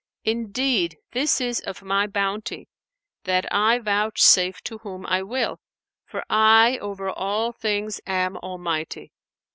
Indeed, this is of My bounty, that I vouchsafe to whom I will, for I over all things am Almighty.'